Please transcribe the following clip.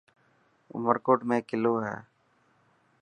عمرڪوٽ ۾ ڪلو هي.